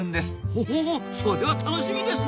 ほほうそれは楽しみですな！